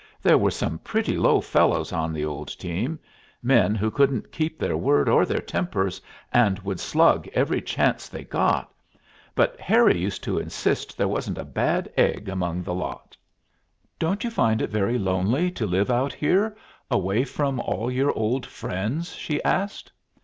"There were some pretty low fellows on the old team, men who couldn't keep their word or their tempers, and would slug every chance they got; but Harry used to insist there wasn't a bad egg among the lot." "Don't you find it very lonely to live out here, away from all your old friends?" she asked.